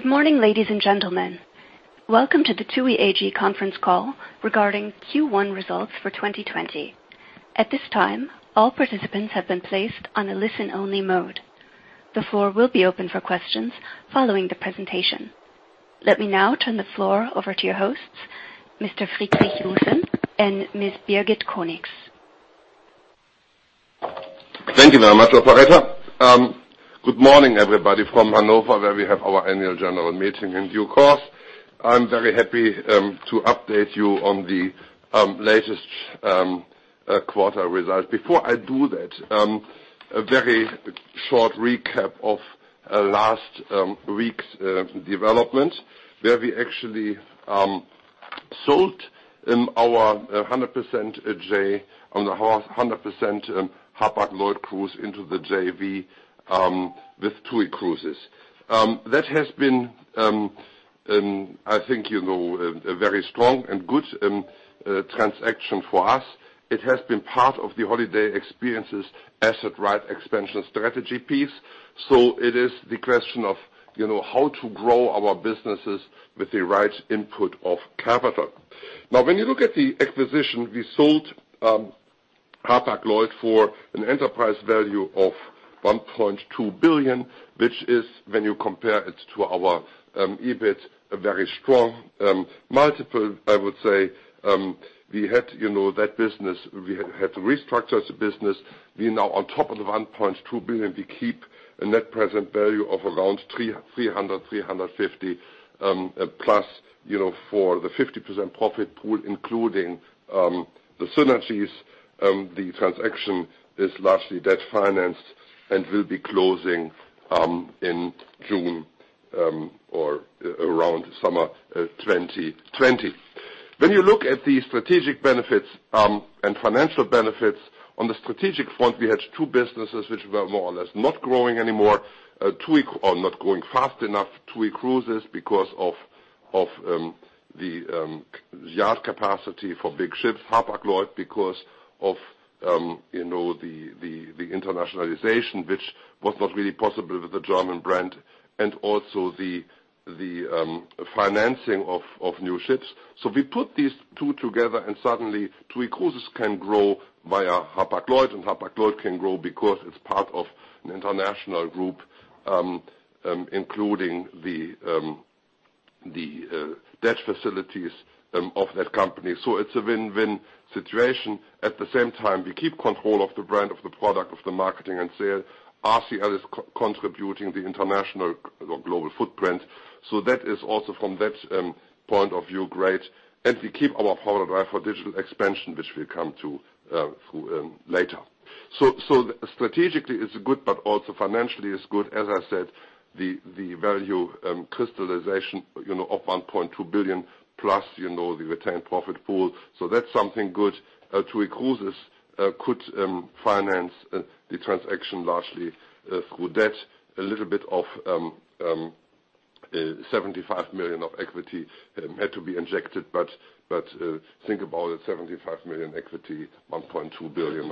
Good morning, ladies and gentlemen. Welcome to the TUI AG conference call regarding Q1 results for 2020. At this time, all participants have been placed on a listen-only mode. The floor will be open for questions following the presentation. Let me now turn the floor over to your hosts, Mr. Friedrich Joussen and Ms. Birgit Conix. Thank you very much, operator. Good morning, everybody from Hannover, where we have our annual general meeting in due course. I am very happy to update you on the latest quarter results. Before I do that, a very short recap of last week's development, where we actually sold our 100% share on the Hapag-Lloyd Cruises into the JV with TUI Cruises. That has been, I think, a very strong and good transaction for us. It has been part of the Holiday Experiences asset-right expansion strategy piece. It is the question of how to grow our businesses with the right input of capital. When you look at the acquisition, we sold Hapag-Lloyd for an enterprise value of $1.2 billion, which is, when you compare it to our EBIT, a very strong multiple. I would say we had to restructure the business. We now, on top of the $1.2 billion, we keep a net present value of around 300, 350+ for the 50% profit pool, including the synergies. The transaction is largely debt-financed and will be closing in June or around summer 2020. When you look at the strategic benefits and financial benefits, on the strategic front, we had two businesses which were more or less not growing anymore, or not growing fast enough. TUI Cruises, because of the yard capacity for big ships. Hapag-Lloyd, because of the internationalization, which was not really possible with the German brand, and also the financing of new ships. We put these two together and suddenly TUI Cruises can grow via Hapag-Lloyd, and Hapag-Lloyd can grow because it's part of an international group, including the debt facilities of that company. It's a win-win situation. At the same time, we keep control of the brand, of the product, of the marketing and sales. RCL is contributing the international global footprint. That is also from that point of view, great. We keep our power drive for digital expansion, which we'll come to later. Strategically, it's good, but also financially it's good. As I said, the value crystallization of $1.2 billion plus the retained profit pool. That's something good. TUI Cruises could finance the transaction largely through debt. A little bit of $75 million of equity had to be injected. Think about it, $75 million equity, $1.2 billion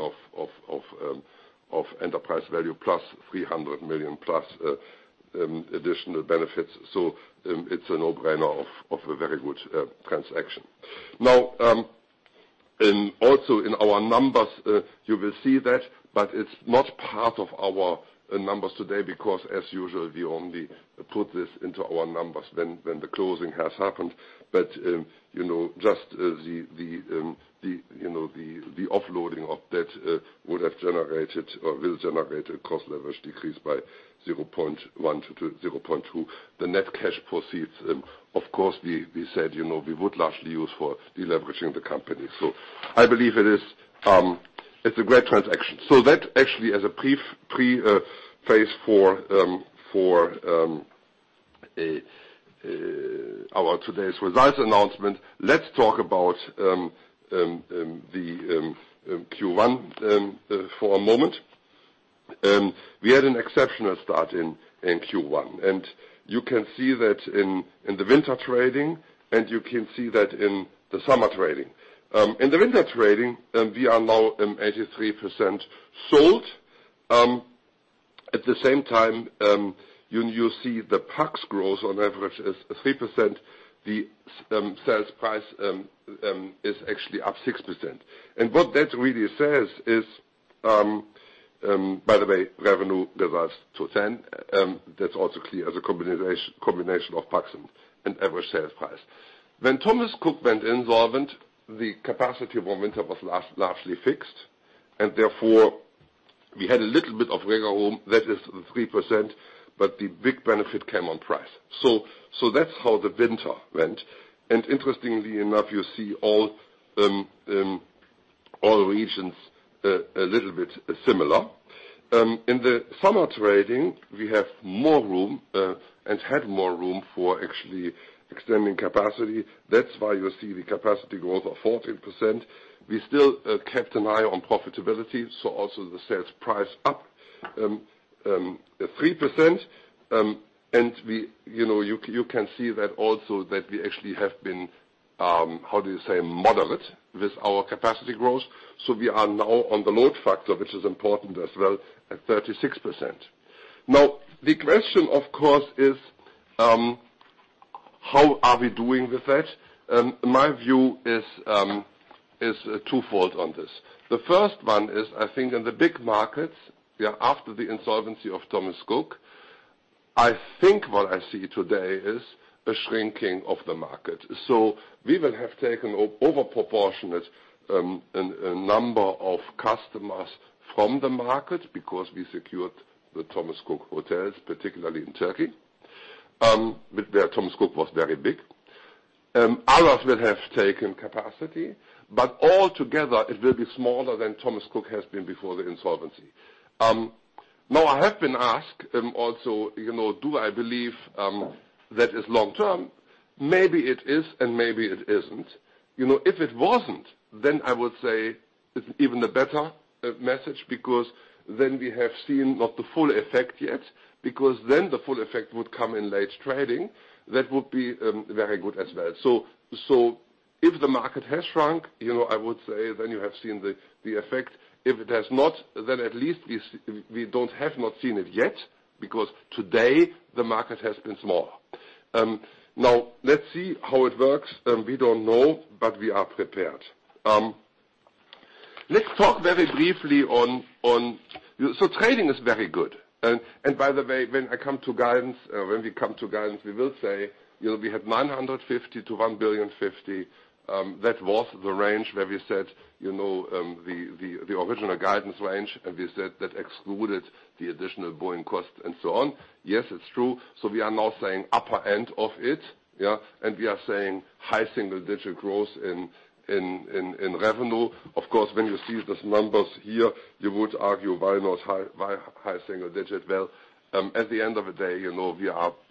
of enterprise value +$300 million plus additional benefits. It's a no-brainer of a very good transaction. Now, also in our numbers, you will see that, but it's not part of our numbers today because, as usual, we only put this into our numbers when the closing has happened. Just the offloading of debt will generate a cost leverage decrease by 0.1-0.2. The net cash proceeds, of course, we said we would largely use for deleveraging the company. I believe it's a great transaction. That actually as a pre-phase for today's results announcement. Let's talk about the Q1 for a moment. We had an exceptional start in Q1. You can see that in the winter trading, and you can see that in the summer trading. In the winter trading, we are now 83% sold. At the same time, you see the PAX growth on average is 3%. The sales price is actually up 6%. What that really says is, by the way, revenue develops to 10. That's also clear as a combination of PAX and average sales price. When Thomas Cook went insolvent, the capacity of our winter was largely fixed, and therefore we had a little bit of wiggle room. That is 3%. The big benefit came on price. That's how the winter went. Interestingly enough, you see all regions a little bit similar. In the summer trading, we have more room and had more room for actually extending capacity. That's why you see the capacity growth of 14%. We still kept an eye on profitability, also the sales price up 3%. You can see that also that we actually have been Model it with our capacity growth. We are now on the load factor, which is important as well, at 36%. The question, of course, is how are we doing with that? My view is twofold on this. The 1st one is, I think in the big markets, after the insolvency of Thomas Cook, I think what I see today is a shrinking of the market. We will have taken an overproportionate number of customers from the market because we secured the Thomas Cook hotels, particularly in Turkey, where Thomas Cook was very big. Others will have taken capacity, but altogether it will be smaller than Thomas Cook has been before the insolvency. I have been asked also, do I believe that is long term? Maybe it is and maybe it isn't. If it wasn't, I would say it's even a better message because we have seen not the full effect yet, because the full effect would come in late trading. That would be very good as well. If the market has shrunk, I would say then you have seen the effect. If it has not, at least we don't have not seen it yet, because today the market has been smaller. Let's see how it works. We don't know, we are prepared. Let's talk very briefly. Trading is very good. By the way, when we come to guidance, we will say, we had 950 million-1 billion 50 million. That was the range where we said the original guidance range, we said that excluded the additional Boeing cost and so on. Yes, it's true. We are now saying upper end of it, yeah. We are saying high single digit growth in revenue. Of course, when you see those numbers here, you would argue by high single digit. At the end of the day,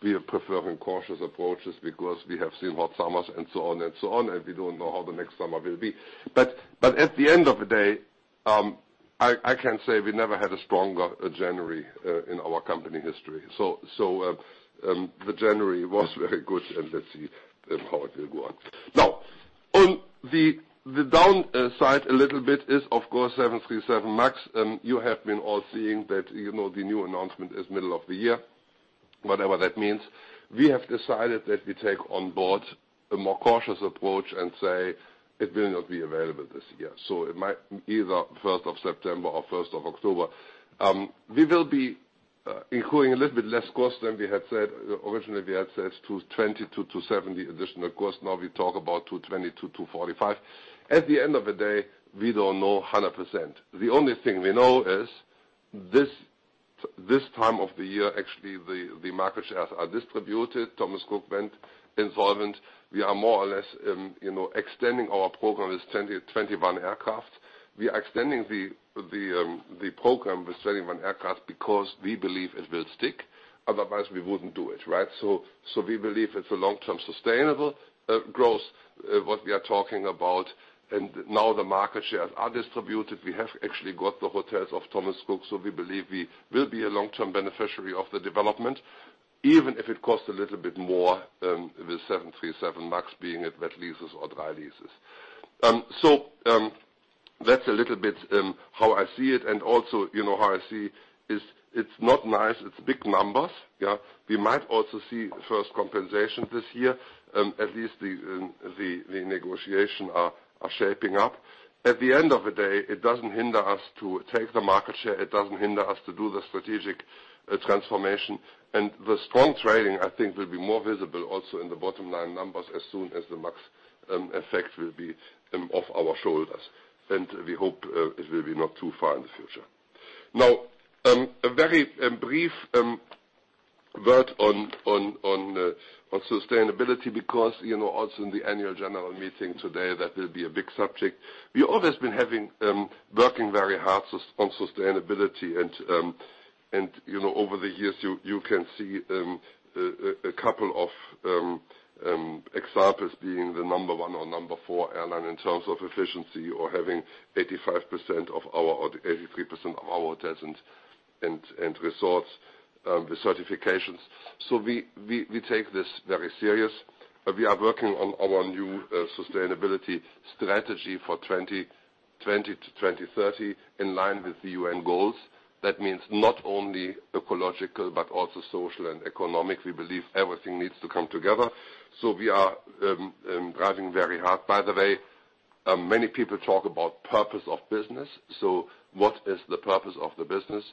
we are preferring cautious approaches because we have seen hot summers and so on and so on, and we don't know how the next summer will be. At the end of the day, I can say we never had a stronger January in our company history. The January was very good and let's see how it will go on. On the downside a little bit is of course 737 MAX. You have been all seeing that the new announcement is middle of the year, whatever that means. We have decided that we take on board a more cautious approach and say it will not be available this year. It might either 1st of September or 1st of October. We will be including a little bit less cost than we had said. Originally, we had said 220-270 additional cost. Now we talk about 220-245. At the end of the day, we don't know 100%. The only thing we know is this time of the year, actually, the market shares are distributed. Thomas Cook went insolvent. We are more or less extending our program with 21 aircraft. We are extending the program with 21 aircraft because we believe it will stick. Otherwise we wouldn't do it. Right? We believe it's a long-term sustainable growth, what we are talking about. Now the market shares are distributed. We have actually got the hotels of Thomas Cook. We believe we will be a long-term beneficiary of the development, even if it costs a little bit more with 737 MAX being at wet leases or dry leases. That's a little bit how I see it and also how I see is it's not nice, it's big numbers. We might also see first compensation this year. At least the negotiations are shaping up. At the end of the day, it doesn't hinder us to take the market share. It doesn't hinder us to do the strategic transformation. The strong trading, I think, will be more visible also in the bottom line numbers as soon as the MAX effect will be off our shoulders. We hope it will be not too far in the future. A very brief word on sustainability because also in the annual general meeting today that will be a big subject. We always been working very hard on sustainability and over the years you can see a couple of examples being the number 1 or number 4 airline in terms of efficiency or having 83% of our hotels and resorts with certifications. We take this very serious. We are working on our new sustainability strategy for 2020-2030 in line with the UN goals. That means not only ecological, but also social and economic. We believe everything needs to come together. We are driving very hard. By the way, many people talk about purpose of business. What is the purpose of the business?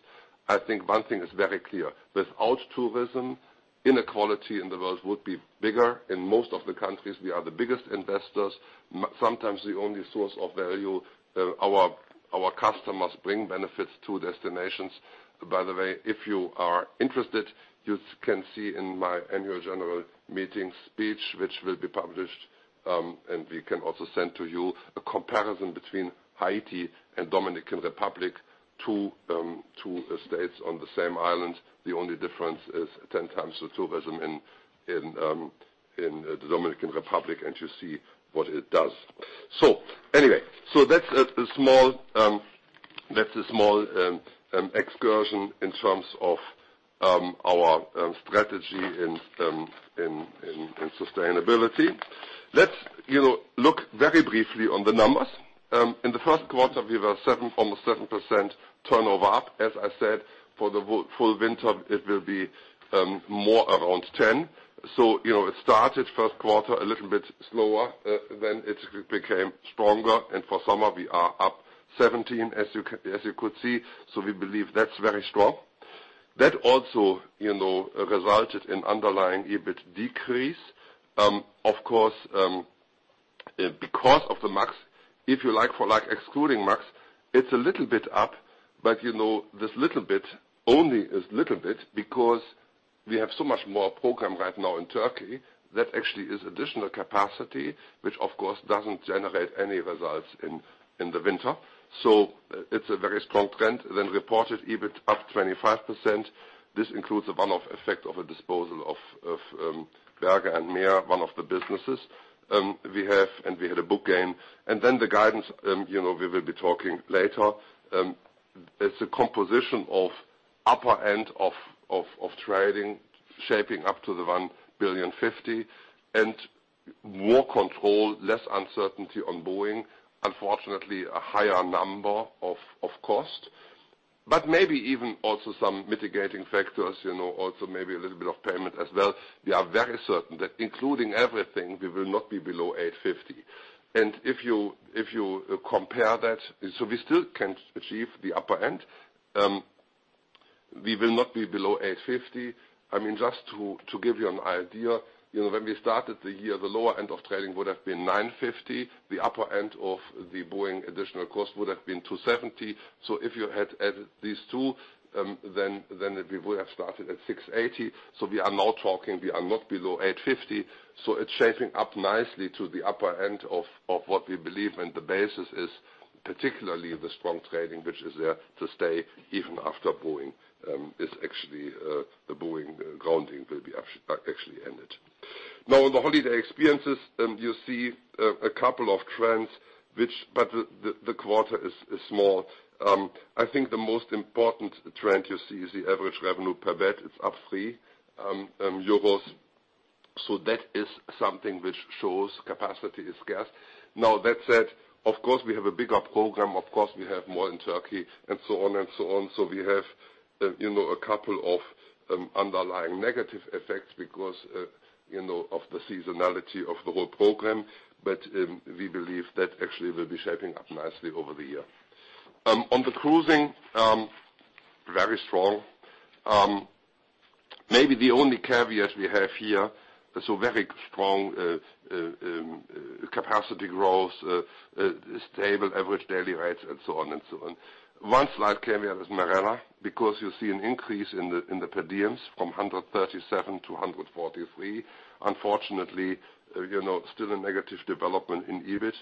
I think one thing is very clear. Without tourism, inequality in the world would be bigger. In most of the countries, we are the biggest investors, sometimes the only source of value. Our customers bring benefits to destinations. By the way, if you are interested, you can see in my annual general meeting speech, which will be published, and we can also send to you a comparison between Haiti and Dominican Republic two states on the same island. The only difference is 10x the tourism in the Dominican Republic, and you see what it does. Anyway, that's a small excursion in terms of our strategy in sustainability. Let's look very briefly on the numbers. In the first quarter, we were almost 7% turnover up. As I said, for the full winter, it will be more around 10. It started first quarter a little bit slower, then it became stronger. For summer, we are up 17, as you could see. We believe that's very strong. That also resulted in underlying EBIT decrease. Of course, because of the MAX, if you like for like excluding MAX, it's a little bit up. This little bit only is little bit because we have so much more program right now in Turkey that actually is additional capacity, which of course, doesn't generate any results in the winter. It's a very strong trend. Reported EBIT up 25%. This includes a one-off effect of a disposal of Berge & Meer, one of the businesses we have, and we had a book gain. The guidance, we will be talking later. It's a composition of upper end of trading shaping up to the 1 billion, 50 and more control, less uncertainty on Boeing. Unfortunately, a higher number of cost. Maybe even also some mitigating factors, also maybe a little bit of payment as well. We are very certain that including everything, we will not be below 850. If you compare that, we still can achieve the upper end. We will not be below 850. Just to give you an idea, when we started the year, the lower end of trading would have been 950. The upper end of the Boeing additional cost would have been 270. If you had added these two, we would have started at 680. We are now talking we are not below 850. It's shaping up nicely to the upper end of what we believe, and the basis is particularly the strong trading, which is there to stay even after the Boeing grounding will be actually ended. On the Holiday Experiences, you see a couple of trends, the quarter is small. I think the most important trend you see is the average revenue per bed. It's up 3 euros. That is something which shows capacity is scarce. Now, that said, of course, we have a bigger program. Of course, we have more in Turkey and so on. We have a couple of underlying negative effects because of the seasonality of the whole program. We believe that actually will be shaping up nicely over the year. On the cruising, very strong. Maybe the only caveat we have here, so very strong capacity growth, stable average daily rates, and so on. One slight caveat is Marella. You see an increase in the per diems from 137-143. Unfortunately, still a negative development in EBIT.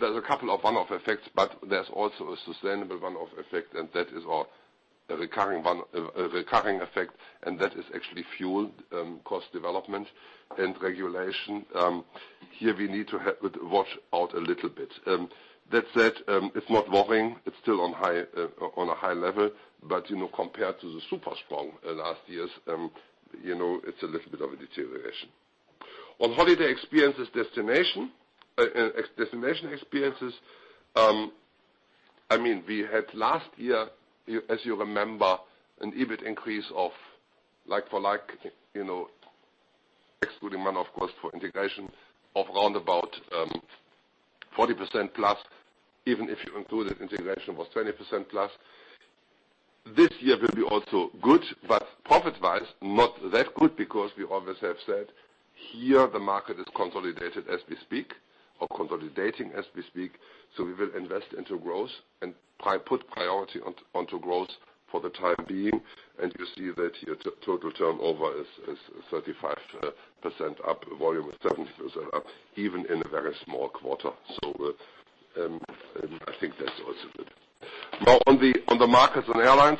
There's a couple of one-off effects, but there's also a sustainable one-off effect, and that is our recurring effect, and that is actually fueled cost development and regulation. Here we need to watch out a little bit. That said, it's not worrying. It's still on a high level. Compared to the super strong last years, it's a little bit of a deterioration. On Holiday Experiences, Destination Experiences. We had last year, as you remember, an EBIT increase of like for like, excluding one, of course, for integration of around about 40%+, even if you include the integration was 20%+. This year will be also good, but profit-wise, not that good because we always have said, here the market is consolidated as we speak or consolidating as we speak. We will invest into growth and put priority onto growth for the time being. You see that here, total turnover is 35% up, volume of 70% up, even in a very small quarter. I think that's also good. On the Markets and Airlines.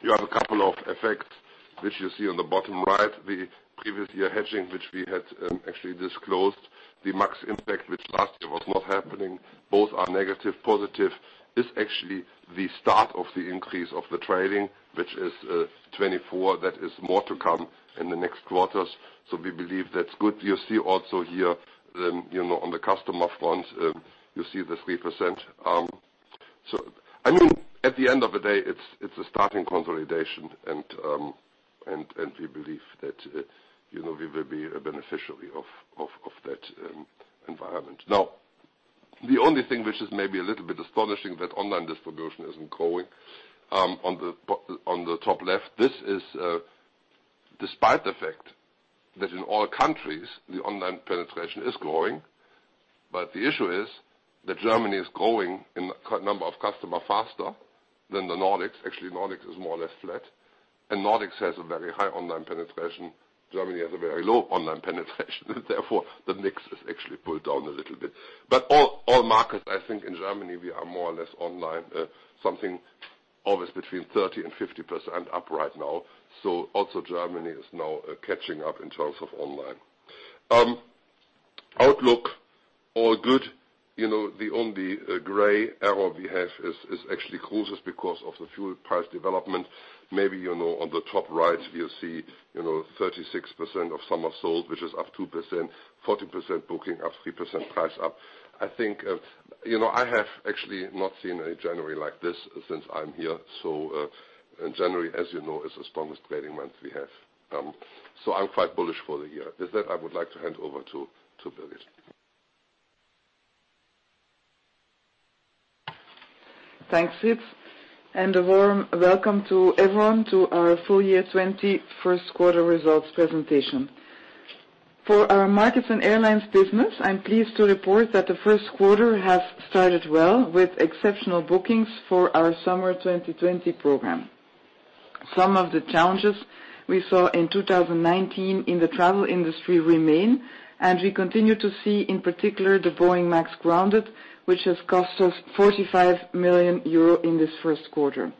You have a couple of effects which you see on the bottom right. The previous year hedging, which we had actually disclosed the max impact, which last year was not happening. Both are negative, positive, is actually the start of the increase of the trading, which is 2024. That is more to come in the next quarters. We believe that's good. You see also here on the customer front, you see the 3%. At the end of the day, it's a starting consolidation, and we believe that we will be a beneficiary of that environment. The only thing which is maybe a little bit astonishing that online distribution isn't growing on the top left. This is despite the fact that in all countries, the online penetration is growing. The issue is that Germany is growing in number of customer faster than the Nordics. Actually, Nordics is more or less flat, and Nordics has a very high online penetration. Germany has a very low online penetration. Therefore, the mix is actually pulled down a little bit. All markets, I think in Germany, we are more or less online. Something always between 30% and 50% up right now. Also Germany is now catching up in terms of online. Outlook, all good. The only gray arrow we have is actually cruises because of the fuel price development. Maybe on the top right you'll see 36% of summer sold, which is up 2%, 40% booking, up 3% price up. I have actually not seen a January like this since I'm here. January, as you know, is the strongest trading month we have. I'm quite bullish for the year. With that, I would like to hand over to Birgit. Thanks, Fritz, a warm welcome to everyone to our full year 2020 first quarter results presentation. For our Markets and Airlines business, I'm pleased to report that the first quarter has started well with exceptional bookings for our summer 2020 program. Some of the challenges we saw in 2019 in the travel industry remain. We continue to see, in particular, the Boeing MAX grounded, which has cost us 45 million euro in this first quarter.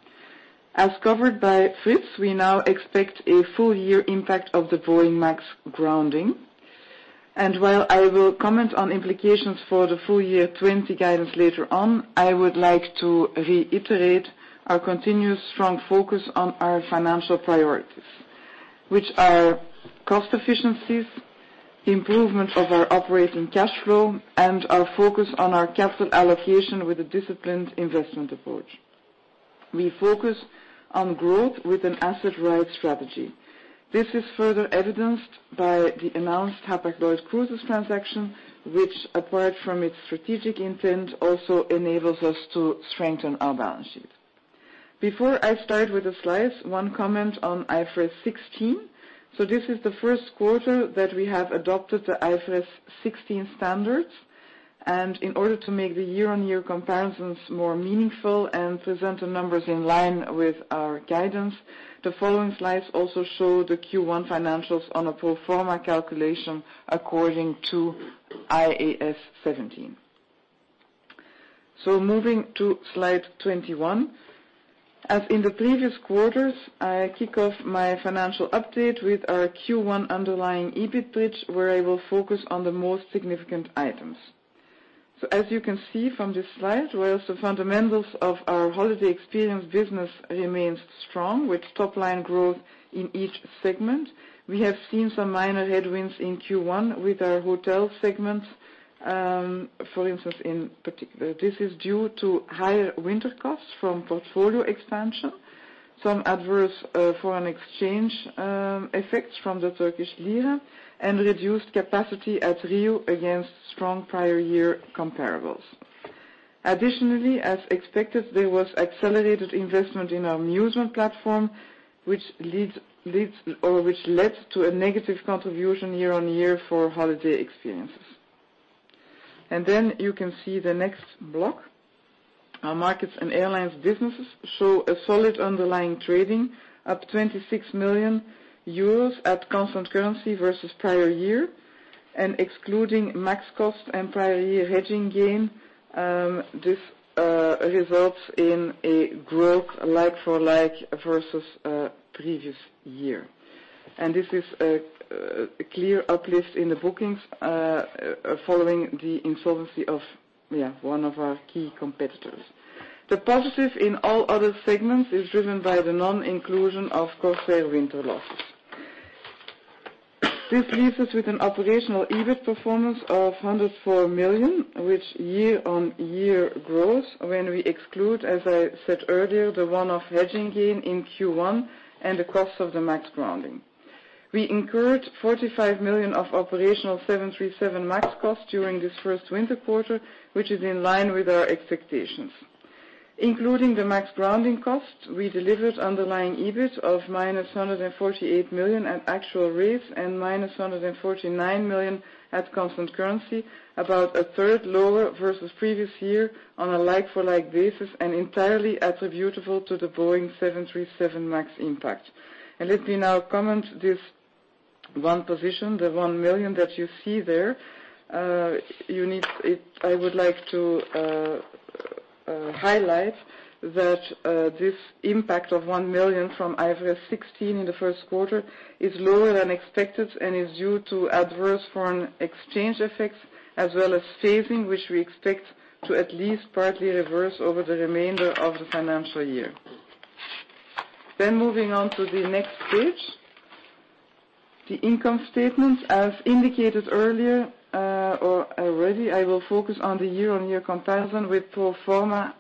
As covered by Fritz, we now expect a full year impact of the Boeing MAX grounding. While I will comment on implications for the full year 2020 guidance later on, I would like to reiterate our continuous strong focus on our financial priorities, which are cost efficiencies, improvement of our operating cash flow, and our focus on our capital allocation with a disciplined investment approach. We focus on growth with an asset-right strategy. This is further evidenced by the announced Hapag-Lloyd Cruises transaction, which apart from its strategic intent, also enables us to strengthen our balance sheet. Before I start with the slides, one comment on IFRS 16. This is the first quarter that we have adopted the IFRS 16 standards, and in order to make the year-on-year comparisons more meaningful and present the numbers in line with our guidance, the following slides also show the Q1 financials on a pro forma calculation according to IAS 17. Moving to slide 21. As in the previous quarters, I kick off my financial update with our Q1 underlying EBIT bridge, where I will focus on the most significant items. As you can see from this slide, whereas the fundamentals of our Holiday Experiences business remains strong with top line growth in each segment, we have seen some minor headwinds in Q1 with our hotel segment. For instance, this is due to higher winter costs from portfolio expansion, some adverse foreign exchange effects from the Turkish lira, and reduced capacity at Riu against strong prior year comparables. Additionally, as expected, there was accelerated investment in our Musement platform, which led to a negative contribution year-on-year for Holiday Experiences. You can see the next block. Our Markets and Airlines businesses show a solid underlying trading up 26 million euros at constant currency versus prior year, and excluding MAX cost and prior year hedging gain, this results in a growth like for like versus previous year. This is a clear uplift in the bookings following the insolvency of one of our key competitors. The positive in all other segments is driven by the non-inclusion of Corsair winter losses. This leaves us with an operational EBIT performance of 104 million, which year-on-year grows when we exclude, as I said earlier, the one-off hedging gain in Q1 and the cost of the MAX grounding. We incurred 45 million of operational 737 MAX costs during this first winter quarter, which is in line with our expectations. Including the MAX grounding cost, we delivered underlying EBIT of -148 million at actual rates and -149 million at constant currency. About a third lower versus previous year on a like-for-like basis and entirely attributable to the Boeing 737 MAX impact. Let me now comment this one position, the 1 million that you see there. I would like to highlight that this impact of 1 million from IFRS 16 in the first quarter is lower than expected and is due to adverse foreign exchange effects as well as saving, which we expect to at least partly reverse over the remainder of the financial year. Moving on to the next page, the income statement. As indicated earlier or already, I will focus on the year-on-year comparison with pro forma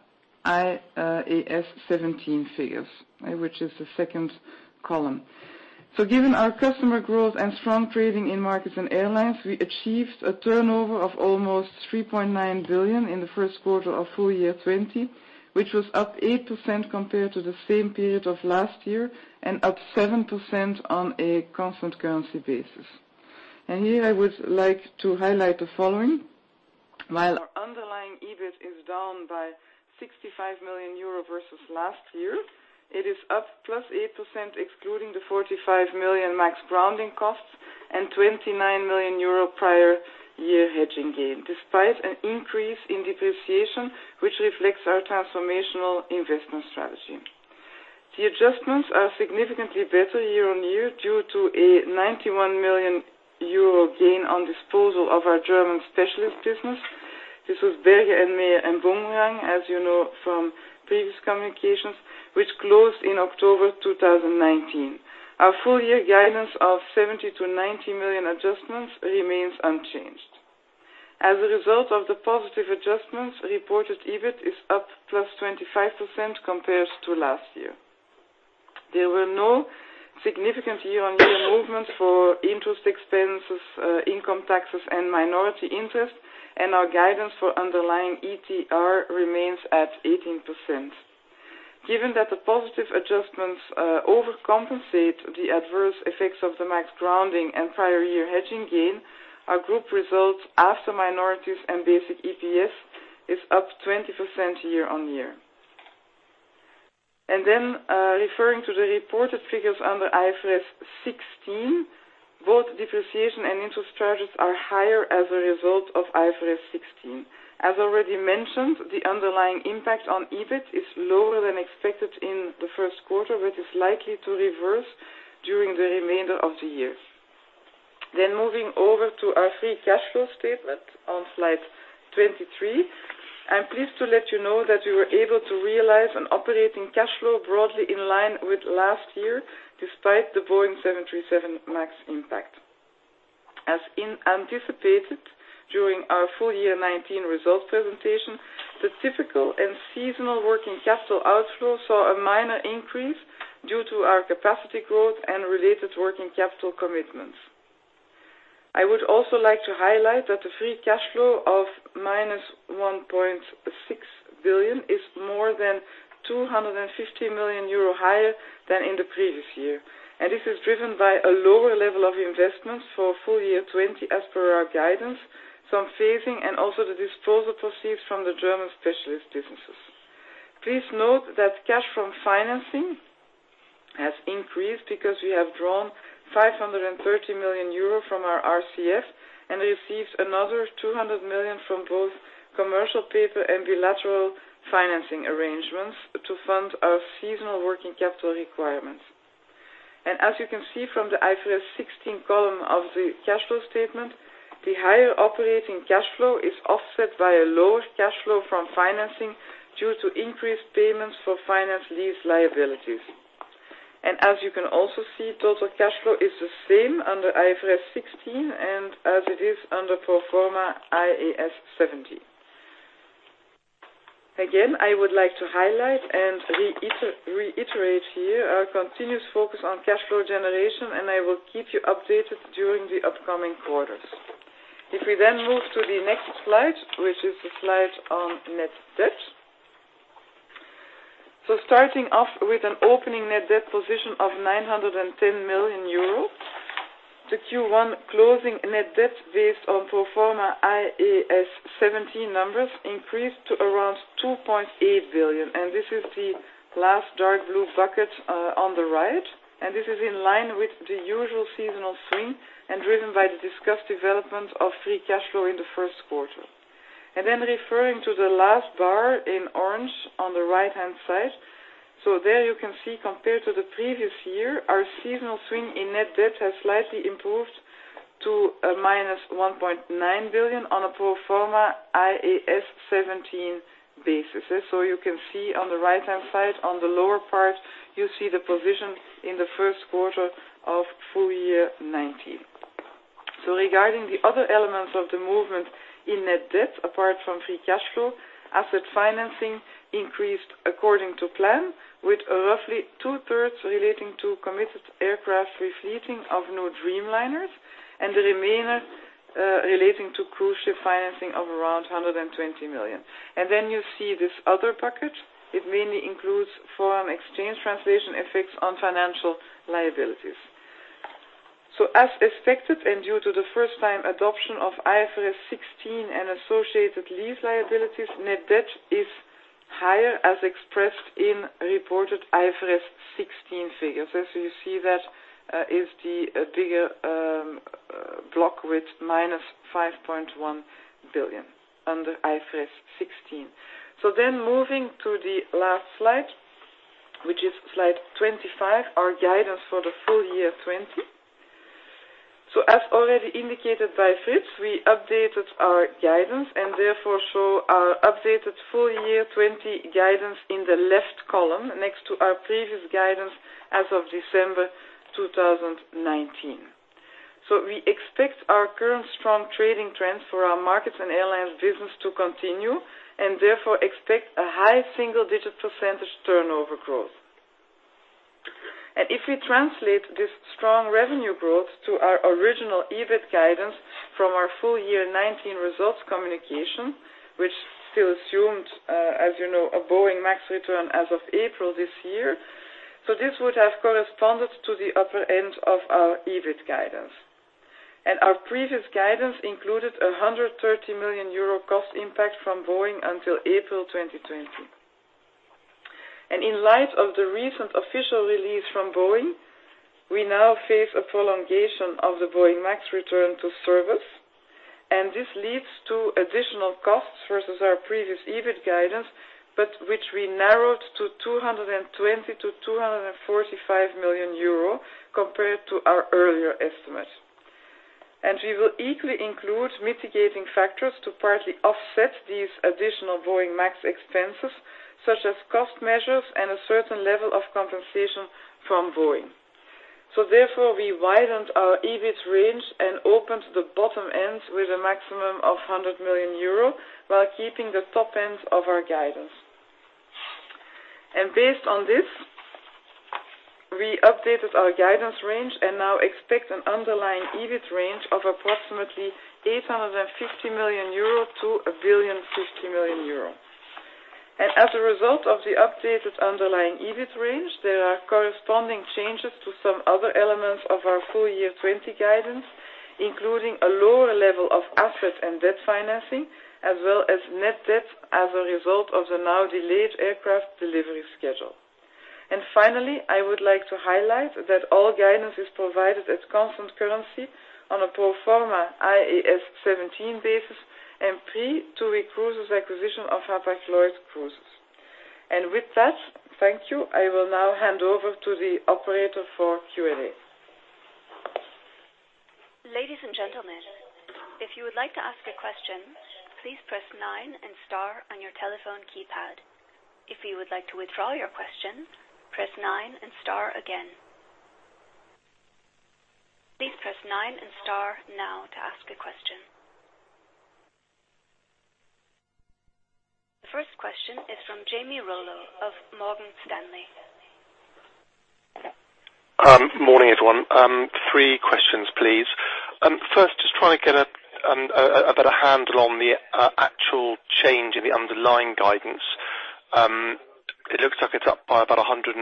IAS 17 figures, which is the second column. Given our customer growth and strong trading in Markets and Airlines, we achieved a turnover of almost 3.9 billion in the first quarter of full year 2020, which was up 8% compared to the same period of last year and up 7% on a constant currency basis. Here I would like to highlight the following. While our underlying EBIT is down by 65 million euro versus last year, it is up +8% excluding the 45 million MAX grounding costs and 29 million euro prior year hedging gain, despite an increase in depreciation, which reflects our transformational investment strategy. The adjustments are significantly better year-on-year due to a 91 million euro gain on disposal of our German specialist business. This was Berge & Meer and Boomerang Reisen, as you know from previous communications, which closed in October 2019. Our full year guidance of 70 million-90 million adjustments remains unchanged. As a result of the positive adjustments, reported EBIT is up +25% compares to last year. There were no significant year-on-year movements for interest expenses, income taxes, and minority interest, and our guidance for underlying ETR remains at 18%. Given that the positive adjustments over compensate the adverse effects of the MAX grounding and prior year hedging gain, our group results after minorities and basic EPS is up 20% year-on-year. Referring to the reported figures under IFRS 16, both depreciation and interest charges are higher as a result of IFRS 16. As already mentioned, the underlying impact on EBIT is lower than expected in the first quarter, but is likely to reverse during the remainder of the year. Moving over to our free cash flow statement on slide 23, I'm pleased to let you know that we were able to realize an operating cash flow broadly in line with last year, despite the Boeing 737 MAX impact. As anticipated during our full year 2019 results presentation, the typical and seasonal working capital outflow saw a minor increase due to our capacity growth and related working capital commitments. I would also like to highlight that the free cash flow of -1.6 billion is more than 250 million euro higher than in the previous year. This is driven by a lower level of investment for full year 2020 as per our guidance, some phasing, and also the disposal proceeds from the German specialist businesses. Please note that cash from financing has increased because we have drawn 530 million euro from our RCF and received another 200 million from both commercial paper and bilateral financing arrangements to fund our seasonal working capital requirements. As you can see from the IFRS 16 column of the cash flow statement, the higher operating cash flow is offset by a lower cash flow from financing due to increased payments for finance lease liabilities. As you can also see, total cash flow is the same under IFRS 16 and as it is under pro forma IAS 17. Again, I would like to highlight and reiterate here our continuous focus on cash flow generation, and I will keep you updated during the upcoming quarters. If we move to the next slide, which is the slide on net debt. Starting off with an opening net debt position of 910 million euros, the Q1 closing net debt based on pro forma IAS 17 numbers increased to around 2.8 billion. This is the last dark blue bucket on the right, and this is in line with the usual seasonal swing and driven by the discussed development of free cash flow in the first quarter. Referring to the last bar in orange on the right-hand side. There you can see, compared to the previous year, our seasonal swing in net debt has slightly improved to a -1.9 billion on a pro forma IAS 17 basis. You can see on the right-hand side, on the lower part, you see the position in the first quarter of full year 2019. Regarding the other elements of the movement in net debt, apart from free cash flow, asset financing increased according to plan, with roughly two-thirds relating to committed aircraft refleeting of new Dreamliners and the remainder relating to cruise ship financing of around 120 million. You see this other bucket. It mainly includes foreign exchange translation effects on financial liabilities. As expected, and due to the first-time adoption of IFRS 16 and associated lease liabilities, net debt is higher as expressed in reported IFRS 16 figures. You see that is the bigger block with -5.1 billion under IFRS 16. Moving to the last slide, which is slide 25, our guidance for the full year 2020. As already indicated by Fritz, we updated our guidance and therefore show our updated full year 2020 guidance in the left column, next to our previous guidance as of December 2019. We expect our current strong trading trends for our Markets and Airlines business to continue, and therefore expect a high single-digit percentage turnover growth. If we translate this strong revenue growth to our original EBIT guidance from our full year 2019 results communication, which still assumed, as you know, a Boeing MAX return as of April this year. This would have corresponded to the upper end of our EBIT guidance. Our previous guidance included a 130 million euro cost impact from Boeing until April 2020. In light of the recent official release from Boeing, we now face a prolongation of the Boeing MAX return to service. This leads to additional costs versus our previous EBIT guidance, but which we narrowed to 220 million-245 million euro compared to our earlier estimate. We will equally include mitigating factors to partly offset these additional Boeing MAX expenses, such as cost measures and a certain level of compensation from Boeing. Therefore, we widened our EBIT range and opened the bottom end with a maximum of 100 million euro while keeping the top end of our guidance. Based on this, we updated our guidance range and now expect an underlying EBIT range of approximately 850 million-1,050 million euro. As a result of the updated underlying EBIT range, there are corresponding changes to some other elements of our full year 2020 guidance, including a lower level of assets and debt financing, as well as net debt as a result of the now delayed aircraft delivery schedule. Finally, I would like to highlight that all guidance is provided at constant currency on a pro forma IAS 17 basis and pre TUI Cruises acquisition of Hapag-Lloyd Cruises. With that, thank you. I will now hand over to the operator for Q&A. The 1st question is from Jamie Rollo of Morgan Stanley. Morning, everyone. Three questions please. 1st, just trying to get a better handle on the actual change in the underlying guidance. It looks like it's up by about 180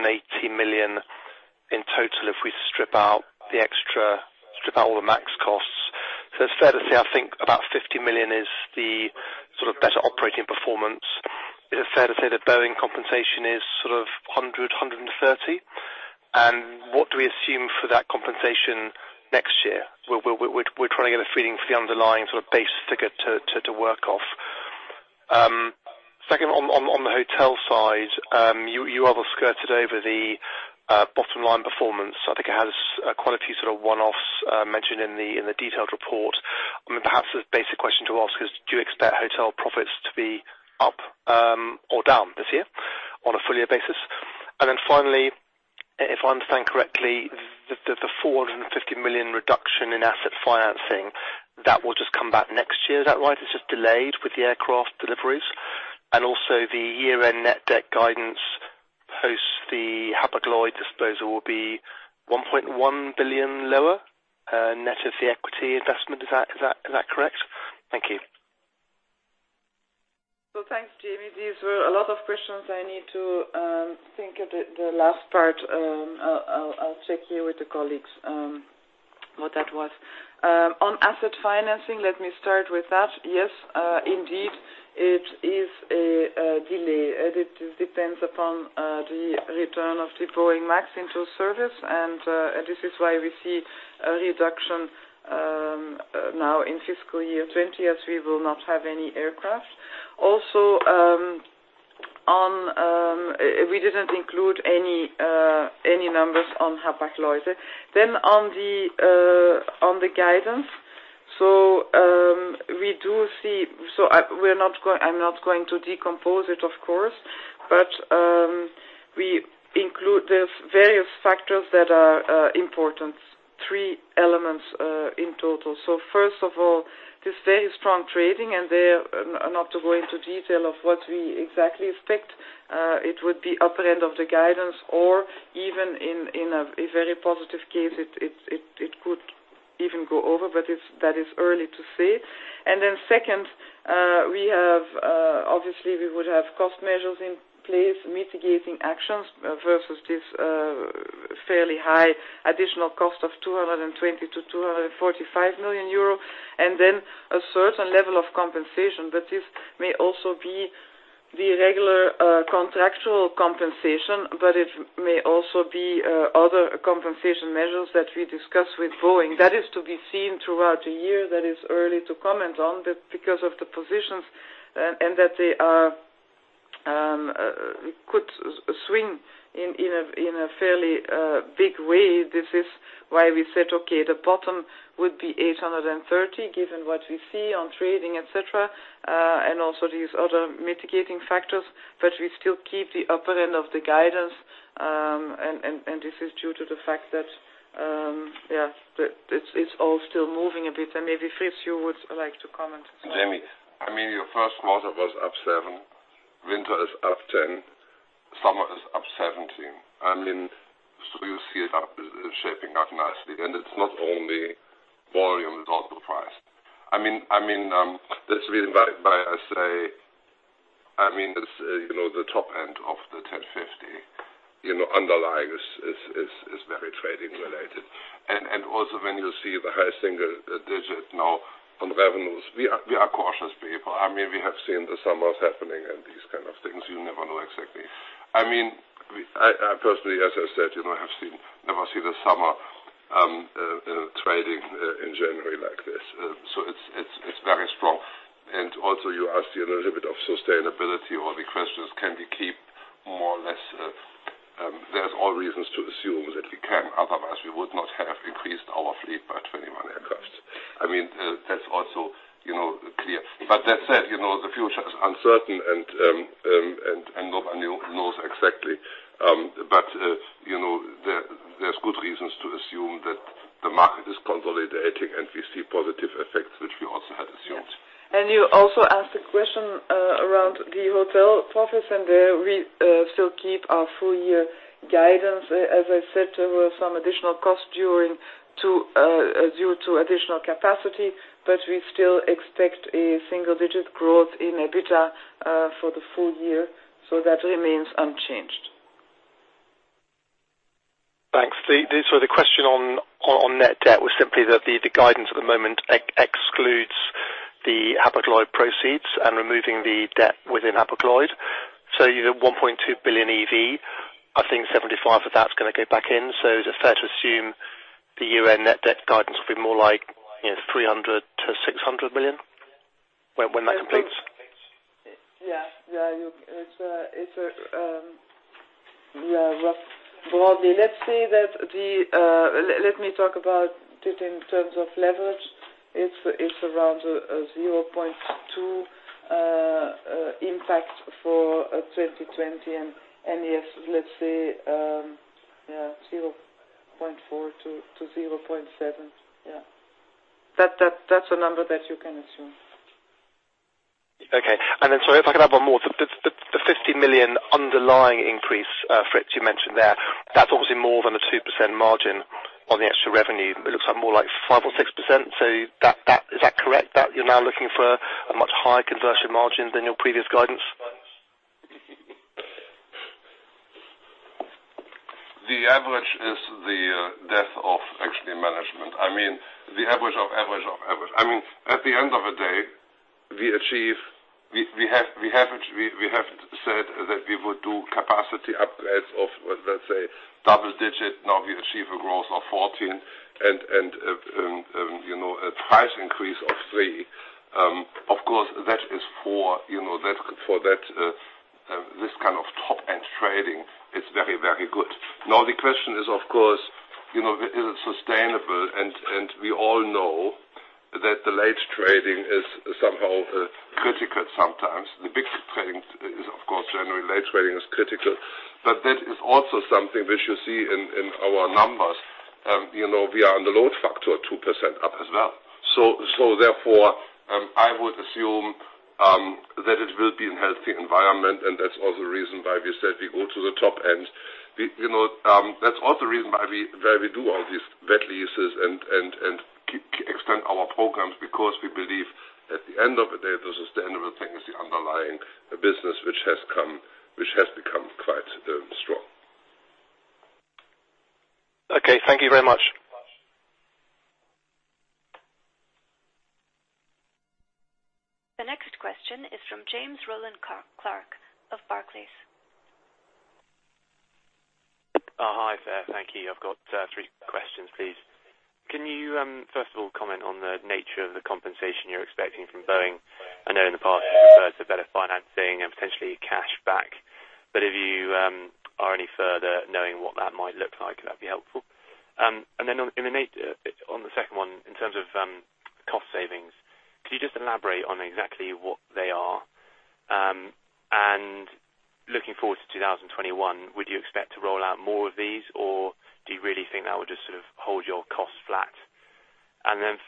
million in total if we strip out all the MAX costs. It's fair to say, I think about 50 million is the better operating performance. Is it fair to say that Boeing compensation is sort of 100 million, 130 million? What do we assume for that compensation next year? We're trying to get a feeling for the underlying base figure to work off. 2nd, on the hotel side. You rather skirted over the bottom line performance. I think it has quite a few one-offs mentioned in the detailed report. I mean, perhaps the basic question to ask is, do you expect hotel profits to be up or down this year on a full year basis? Finally, if I understand correctly, the 450 million reduction in asset financing, that will just come back next year. Is that right? It's just delayed with the aircraft deliveries? Also the year-end net debt guidance, post the Hapag-Lloyd disposal will be 1.1 billion lower, net of the equity investment. Is that correct? Thank you. Thanks, Jamie. These were a lot of questions. I need to think of it. The last part, I will check here with the colleagues what that was. On asset financing, let me start with that. Yes, indeed, it is a delay. It depends upon the return of the Boeing MAX into service, and this is why we see a reduction now in fiscal year 2020 as we will not have any aircraft. Also, we did not include any numbers on Hapag-Lloyd. On the guidance. I am not going to decompose it, of course, but there are various factors that are important. Three elements in total. 1st of all, this very strong trading, and not to go into detail of what we exactly expect, it would be upper end of the guidance or even in a very positive case, it could even go over. That is early to say. 2nd, obviously, we would have cost measures in place, mitigating actions versus this fairly high additional cost of 220 million-245 million euro, and then a certain level of compensation. This may also be the regular contractual compensation, but it may also be other compensation measures that we discuss with Boeing. That is to be seen throughout the year. That is early to comment on because of the positions, and that they could swing in a fairly big way. This is why we said, okay, the bottom would be 830 million given what we see on trading, et cetera, and also these other mitigating factors. We still keep the upper end of the guidance, and this is due to the fact that it is all still moving a bit. Maybe Fritz, you would like to comment as well. Jamie, I mean, your first quarter was up seven. Winter is up 10. Summer is up 17. I mean, so you see it shaping up nicely. It's not only volume, it's also price. That's the reason why I say, the top end of the 1,050 underlying is very trading related. When you see the high single digit now on revenues. We are cautious people. We have seen the summers happening and these things you never know exactly. I personally, as I said, have never seen the summer trading in January like this. It's very strong. You asked a little bit of sustainability or the questions can we keep more or less. There's all reasons to assume that we can, otherwise we would not have increased our fleet by 21 aircraft. That's also clear. That said, the future is uncertain and nobody knows exactly. There's good reasons to assume that the market is consolidating, and we see positive effects, which we also had assumed. Yes. You also asked a question around the hotel profits, there we still keep our full year guidance. As I said, there were some additional costs due to additional capacity, we still expect a single-digit growth in EBITDA for the full year. That remains unchanged. Thanks. The question on net debt was simply that the guidance at the moment excludes the Hapag-Lloyd proceeds and removing the debt within Hapag-Lloyd. You're at $1.2 billion EV, I think 75% of that's going to go back in. Is it fair to assume the year-end net debt guidance will be more like 300 million-600 million when that completes? Yeah. Broadly, let me talk about it in terms of leverage. It's around a 0.2% impact for 2020. Yes, let's say 0.4%-0.7%. That's a number that you can assume. Okay. Sorry, if I could have one more. The 50 million underlying increase, Fritz, you mentioned there, that's obviously more than a 2% margin on the extra revenue. It looks more like 5% or 6%. Is that correct, that you're now looking for a much higher conversion margin than your previous guidance? The average is the death of actually management. The average of average of average. At the end of the day, we have said that we would do capacity upgrades of, let's say, double digit. We achieve a growth of 14 and a price increase of three. Of course, for this kind of top-end trading, it's very, very good. The question is, of course, is it sustainable? We all know that the late trading is somehow critical sometimes. The big trading is, of course, January late trading is critical. That is also something which you see in our numbers. We are on the load factor, 2% up as well. Therefore, I would assume that it will be in healthy environment, and that's also the reason why we said we go to the top end. That is also the reason why we do all these wet leases and extend our programs, because we believe at the end of the day, the sustainable thing is the underlying business, which has become quite strong. Okay. Thank you very much. The next question is from James Rowland Clark of Barclays. Hi there. Thank you. I've got three questions, please. Can you, 1st of all, comment on the nature of the compensation you're expecting from Boeing? I know in the past you referred to better financing and potentially cash back, but if you are any further knowing what that might look like, that'd be helpful. On the 2nd one, in terms of cost savings, could you just elaborate on exactly what they are? Looking forward to 2021, would you expect to roll out more of these, or do you really think that would just hold your costs flat?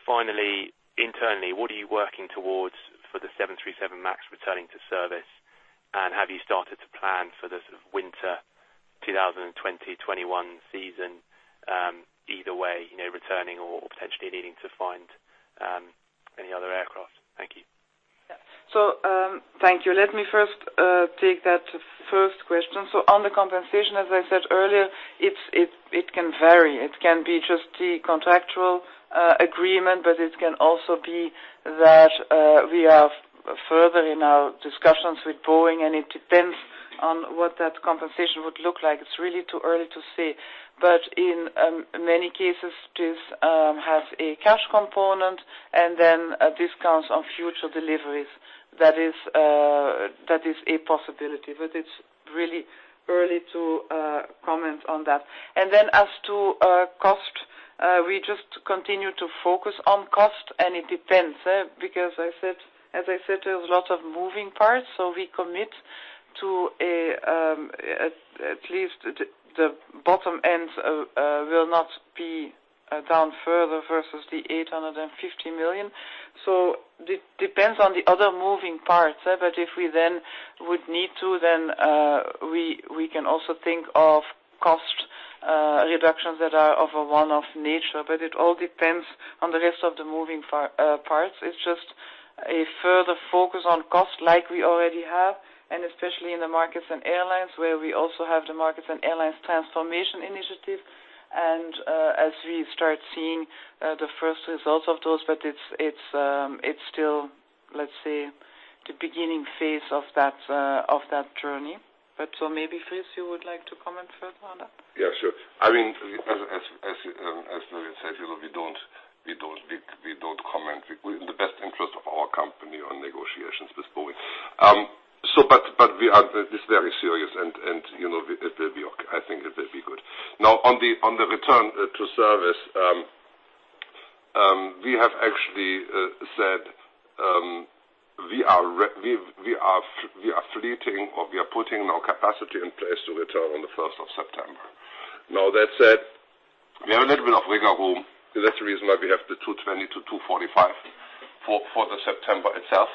Finally, internally, what are you working towards for the 737 MAX returning to service? Have you started to plan for the winter 2020-2021 season, either way, returning or potentially needing to find any other aircraft? Thank you. Thank you. Let me first take that 1st question. On the compensation, as I said earlier, it can vary. It can be just the contractual agreement, but it can also be that we have further in our discussions with Boeing, and it depends on what that compensation would look like. It's really too early to say. In many cases, this has a cash component and then discounts on future deliveries. That is a possibility, but it's really early to comment on that. As to cost, we just continue to focus on cost, and it depends, because as I said, there's a lot of moving parts. We commit to at least the bottom end will not be down further versus the 850 million. It depends on the other moving parts. If we then would need to, then we can also think of cost reductions that are of a one-off nature. It all depends on the rest of the moving parts. It's just a further focus on cost like we already have, and especially in the Markets and Airlines, where we also have the Markets and Airlines transformation initiative. And as we start seeing the 1st results of those, it's still, let's say, the beginning phase of that journey. Maybe, Fritz, you would like to comment further on that? Yeah, sure. As Birgit said, we don't comment, in the best interest of our company, on negotiations this point. It's very serious, and I think it will be good. On the return to service, we have actually said we are fleeting or we are putting our capacity in place to return on the 1st of September. That said, we have a little bit of wiggle room. That's the reason why we have the 220-245 for the September itself.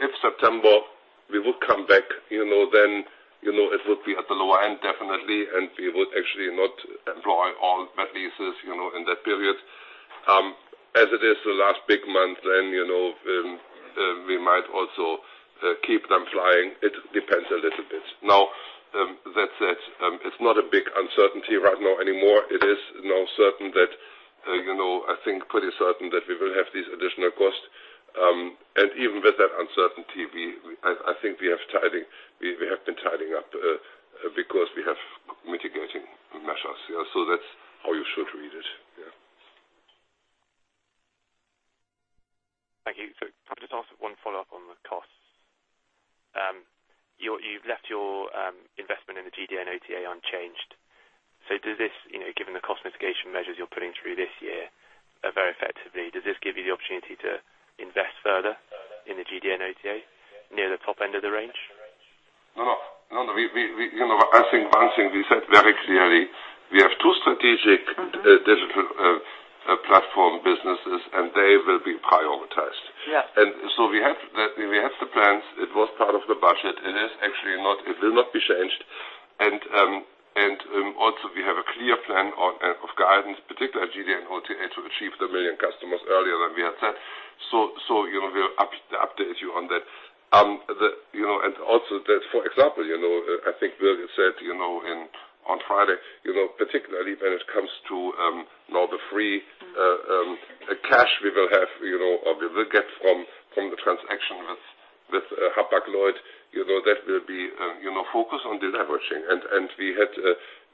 If September we would come back, then it would be at the lower end, definitely, and we would actually not employ all wet leases in that period. It is the last big month, then we might also keep them flying. It depends a little bit. That said, it's not a big uncertainty right now anymore. It is now certain that, I think pretty certain, that we will have these additional costs. Even with that uncertainty, I think we have been tidying up because we have mitigating measures. That's how you should read it. Yeah. Thank you. Can I just ask one follow-up on the costs? You've left your investment in the GDN OTA unchanged. Does this, given the cost mitigation measures you're putting through this year very effectively, does this give you the opportunity to invest further in the GDN OTA near the top end of the range? No, no. I think one thing we said very clearly, we have two strategic digital platform businesses and thhey will be prioritized. Yes. We have the plans. It was part of the budget. It will not be changed. Also we have a clear plan of guidance, particularly at GDN OTA, to achieve the 1 million customers earlier than we had said. We'll update you on that. Also that, for example, I think William said on Friday, particularly when it comes to now the free cash we will have or we will get from the transaction with Hapag-Lloyd, that will be focused on deleveraging.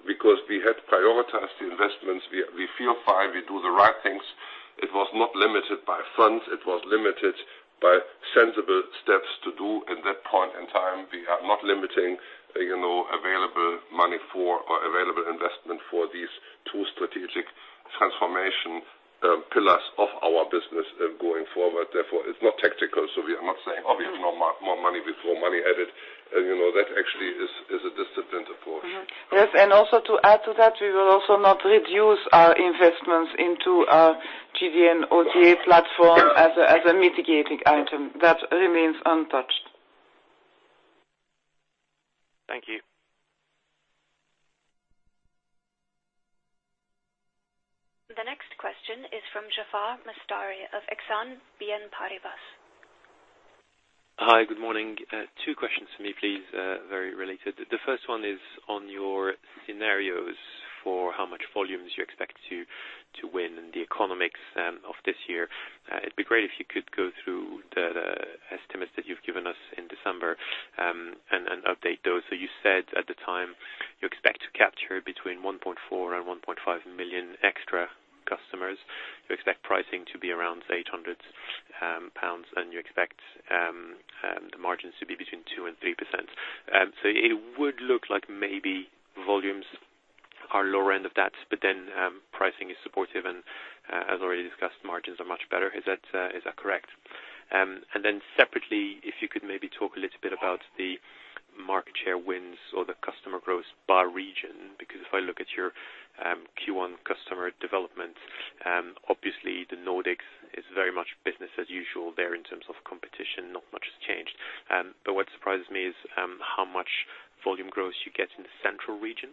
Because we had prioritized the investments, we feel fine. We do the right things. It was not limited by funds. It was limited by sensible steps to do at that point in time. We are not limiting available money for or available investment for these two strategic transformation pillars of our business going forward. Therefore, it's not tactical. We are not saying, obviously, no more money before money added. That actually is a disciplined approach. Yes. Also to add to that, we will also not reduce our investments into our GDN OTA platform as a mitigating item. That remains untouched. Thank you. The next question is from Jaafar Mestari of Exane BNP Paribas. Hi, good morning. Two questions for me, please. Very related. The 1st one is on your scenarios for how much volumes you expect to win and the economics of this year. It'd be great if you could go through the estimates that you've given us in December and update those. You said at the time you expect to capture between 1.4 and 1.5 million extra customers. You expect pricing to be around 800 pounds, and you expect the margins to be between 2% and 3%. It would look like maybe volumes are lower end of that, but then pricing is supportive and, as already discussed, margins are much better. Is that correct? Then separately, if you could maybe talk a little bit about the market share wins or the customer growth by region, because if I look at your Q1 customer development, obviously the Nordics is very much business as usual there in terms of competition, not much has changed. What surprises me is how much volume growth you get in the central region,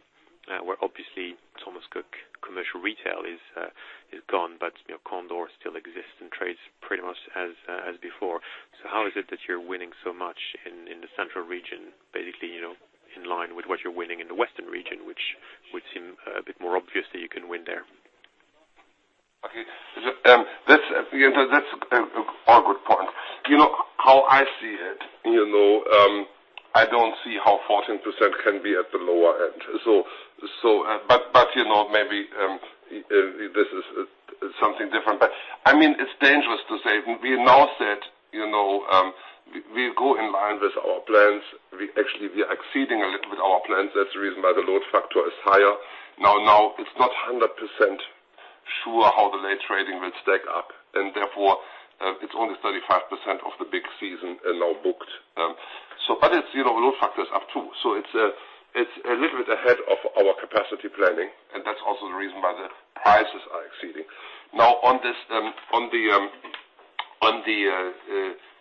where obviously Thomas Cook commercial retail is gone, but Condor still exists and trades pretty much as before. How is it that you're winning so much in the central region, basically in line with what you're winning in the western region, which would seem a bit more obvious that you can win there? Okay. That's a good point. How I see it, I don't see how 14% can be at the lower end. Maybe this is something different. It's dangerous to say. We now said we'll go in line with our plans. We actually, we are exceeding a little bit our plans. That's the reason why the load factor is higher. Now it's not 100% sure how the late trading will stack up, and therefore it's only 35% of the big season now booked. Load factors up, too. It's a little bit ahead of our capacity planning, and that's also the reason why the prices are exceeding. On the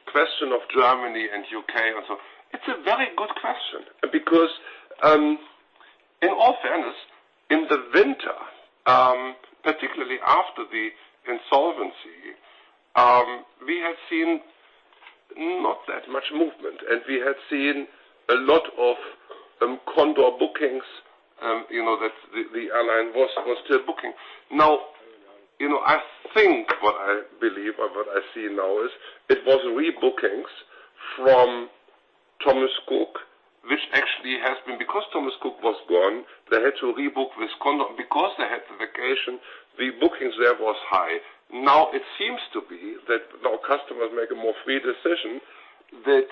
question of Germany and U.K. and so on. It's a very good question because in all fairness, in the winter, particularly after the insolvency, we have seen not that much movement, and we had seen a lot of Condor bookings that the airline was still booking. I think what I believe or what I see now is it was rebookings from Thomas Cook, which actually has been because Thomas Cook was gone, they had to rebook with Condor. They had the vacation, rebookings there was high. It seems to be that now customers make a more free decision that,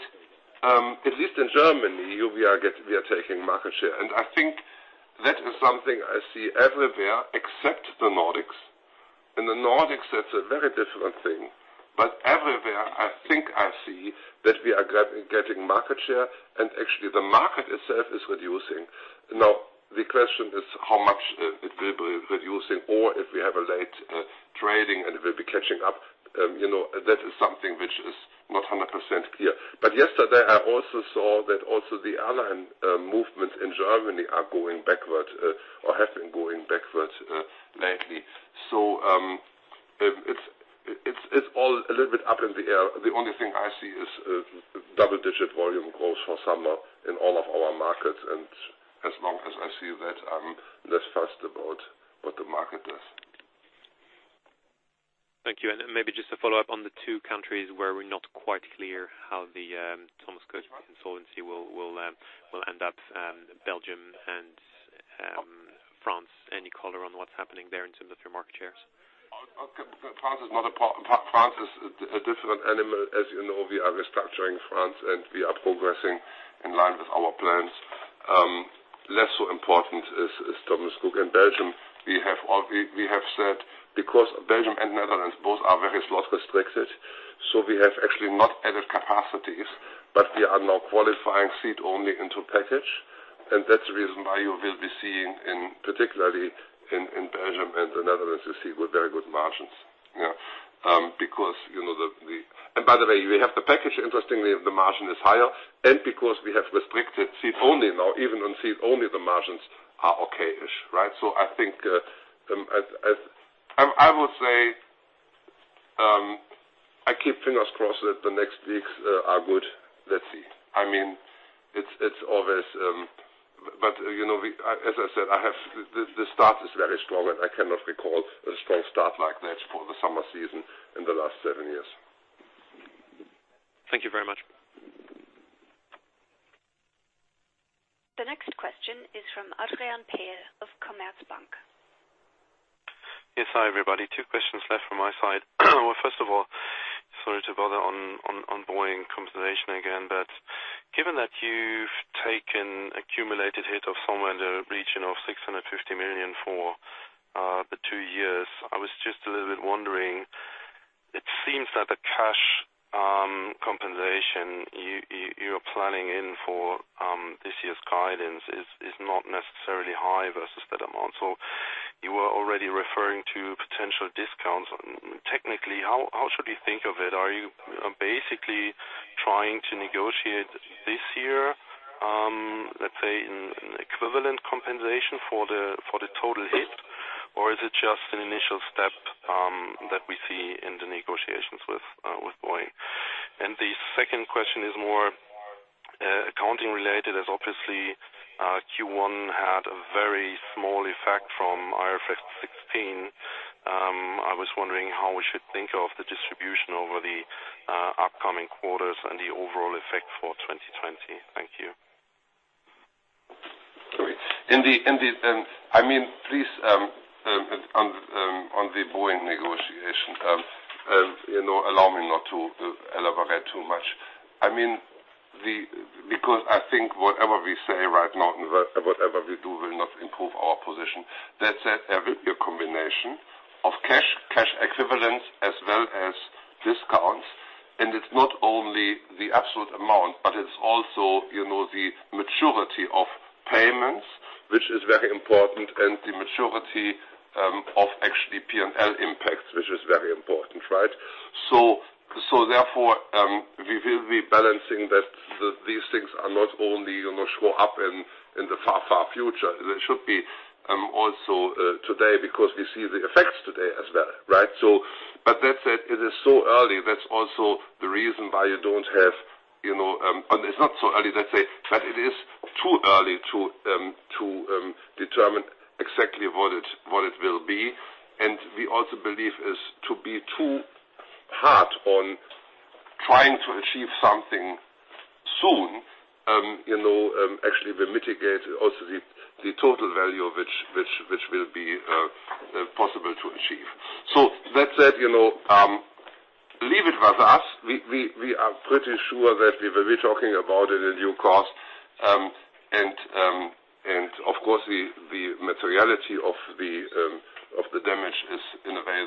at least in Germany, we are taking market share. I think that is something I see everywhere except the Nordics. In the Nordics, that's a very different thing. Everywhere, I think I see that we are getting market share, and actually the market itself is reducing. Now the question is how much it will be reducing or if we have a late trading and we'll be catching up. That is something which is not 100% clear. Yesterday, I also saw that also the airline movements in Germany are going backward or have been going backwards lately. It's all a little bit up in the air. The only thing I see is double-digit volume growth for summer in all of our markets, and as long as I see that, I'm less fussed about what the market does. Thank you. Then maybe just a follow-up on the two countries where we're not quite clear how the Thomas Cook insolvency will end up, Belgium and France. Any color on what's happening there in terms of your market shares? France is a different animal. As you know, we are restructuring France, and we are progressing in line with our plans. Less so important is Thomas Cook in Belgium. We have said because Belgium and Netherlands both are very slot restricted, so we have actually not added capacities, but we are now qualifying seat only into package. That's the reason why you will be seeing, particularly in Belgium and the Netherlands, you see with very good margins. By the way, we have the package, interestingly, the margin is higher. Because we have restricted seat only now, even on seat only the margins are okay-ish. I think I would say I keep fingers crossed that the next weeks are good. Let's see. As I said, the start is very strong, and I cannot recall a strong start like that for the summer season in the last seven years. Thank you very much. The next question is from Adrian Pehl of Commerzbank. Yes. Hi, everybody. Two questions left from my side. 1st of all, sorry to bother on Boeing compensation again. Given that you've taken accumulated hit of somewhere in the region of 650 million for the two years, I was just a little bit wondering. It seems that the cash compensation you are planning in for this year's guidance is not necessarily high versus that amount. You were already referring to potential discounts. Technically, how should we think of it? Are you basically trying to negotiate this year, let's say, in equivalent compensation for the total hit? Is it just an initial step that we see in the negotiations with Boeing? The 2nd question is more accounting related, as obviously Q1 had a very small effect from IFRS 16. I was wondering how we should think of the distribution over the upcoming quarters and the overall effect for 2020? Thank you. Sorry. On the Boeing negotiation, allow me not to elaborate too much. I think whatever we say right now and whatever we do will not improve our position. That said, every combination of cash equivalents as well as discounts, and it's not only the absolute amount, but it's also the maturity of payments, which is very important, and the maturity of actually P&L impacts, which is very important. Therefore, we will be balancing that these things are not only show up in the far, far future. They should be also today because we see the effects today as well. That said, it is so early. That's also the reason why it's not so early, let's say. It is too early to determine exactly what it will be. We also believe is to be too hard on trying to achieve something soon. Actually, we mitigate also the total value of which will be possible to achieve. With that said, leave it with us. We are pretty sure that we will be talking about it at due course. Of course, the materiality of the damage is in a way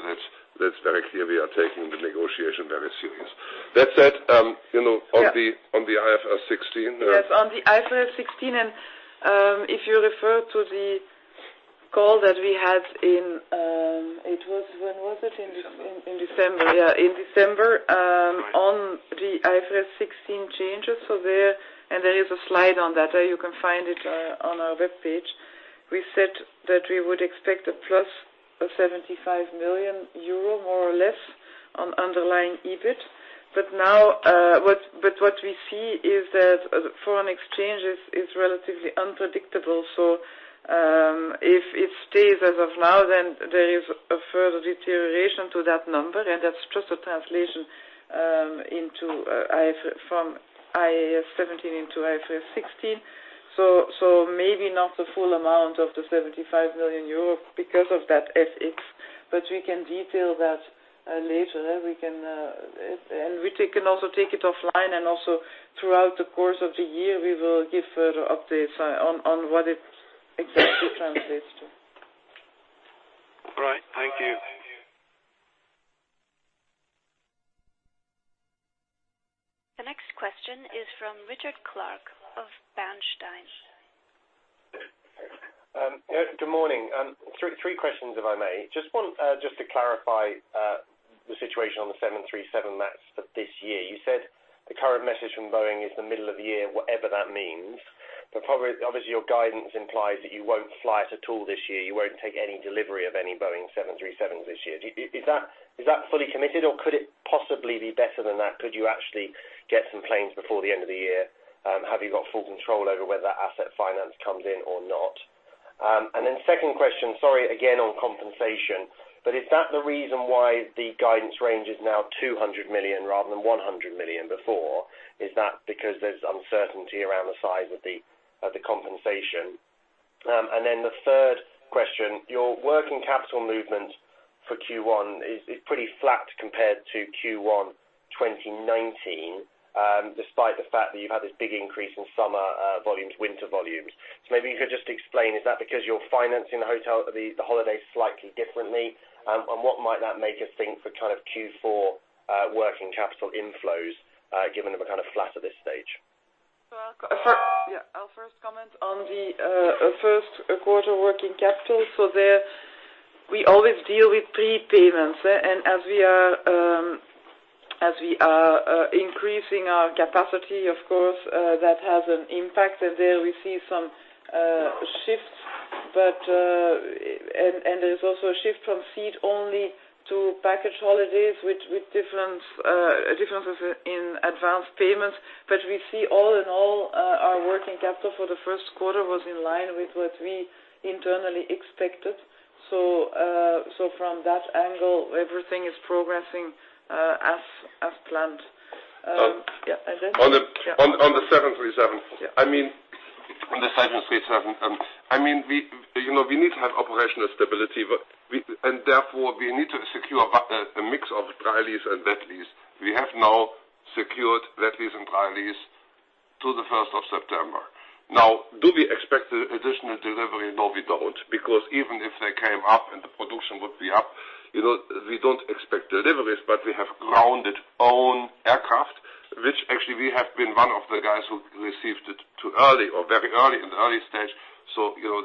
that's very clear we are taking the negotiation very serious. That said, on the IFRS 16. Yes, on the IFRS 16. If you refer to the call that we had in, when was it? In December. Yeah, in December. The IFRS 16 changes, there is a slide on that. You can find it on our webpage. We said that we would expect a plus of 75 million euro, more or less, on underlying EBIT. Now, what we see is that foreign exchange is relatively unpredictable. If it stays as of now, there is a further deterioration to that number, and that's just a translation from IAS 17 into IFRS 16. Maybe not the full amount of the 75 million euro because of that FX, we can detail that later. We can also take it offline. Throughout the course of the year, we will give further updates on what it exactly translates to. All right. Thank you. The next question is from Richard Clarke of Bernstein. Good morning. Three questions, if I may. Just to clarify the situation on the 737 MAX for this year. You said the current message from Boeing is the middle of the year, whatever that means. Obviously, your guidance implies that you won't fly it at all this year. You won't take any delivery of any Boeing 737s this year. Is that fully committed, or could it possibly be better than that? Could you actually get some planes before the end of the year? Have you got full control over whether asset finance comes in or not? 2nd question, sorry, again, on compensation, is that the reason why the guidance range is now 200 million rather than 100 million before? Is that because there's uncertainty around the size of the compensation? The 3rd question, your working capital movement for Q1 is pretty flat compared to Q1 2019, despite the fact that you've had this big increase in summer volumes, winter volumes. Maybe you could just explain, is that because you're financing the holidays slightly differently? What might that make us think for Q4 working capital inflows, given that we're flat at this stage? I'll first comment on the first quarter working capital. There, we always deal with prepayments, and as we are increasing our capacity, of course, that has an impact. There we see some shifts. There's also a shift from seat-only to package holidays, with differences in advance payments. We see all in all, our working capital for the first quarter was in line with what we internally expected. From that angle, everything is progressing as planned. Then? On the 737. Yeah. On the 737, we need to have operational stability, therefore we need to secure a mix of dry lease and wet lease. We have now secured wet lease and dry lease to the 1st of September. Do we expect additional delivery? No, we don't, because even if they came up, the production would be up, we don't expect deliveries, we have grounded own aircraft, which actually we have been one of the guys who received it too early or very early in the early stage.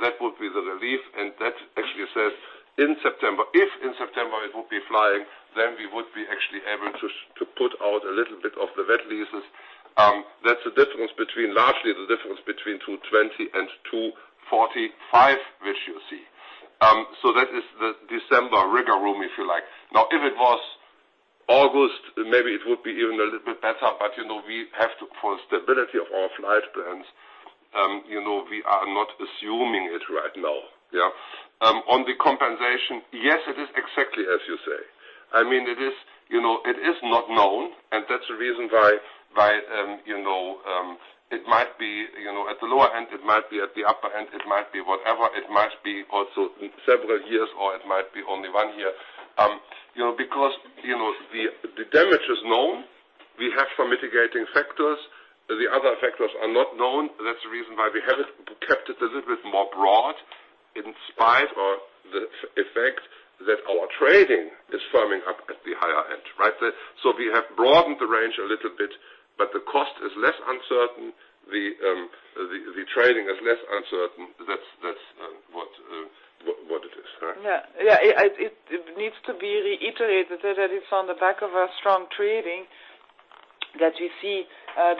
That would be the relief, that actually says in September. If in September it would be flying, we would be actually able to put out a little bit of the wet leases. That's largely the difference between 220 and 245, which you see. That is the December rigor room, if you like. If it was August, maybe it would be even a little bit better, for stability of our flight plans, we are not assuming it right now. On the compensation, yes, it is exactly as you say. It is not known, that's the reason why it might be at the lower end, it might be at the upper end, it might be whatever, it might be also several years, or it might be only one year. The damage is known. We have some mitigating factors. The other factors are not known. That's the reason why we have kept it a little bit more broad, in spite of the effect that our trading is firming up at the higher end. Right? We have broadened the range a little bit, the cost is less uncertain. The trading is less uncertain. That's what it is. Correct? It needs to be reiterated that it's on the back of our strong trading that we see